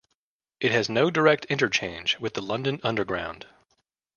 It has no direct interchange with the London Underground.